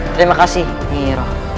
terima kasih nyi iroh